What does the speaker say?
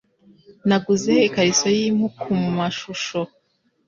Naguze ikariso yimpu kumashusho.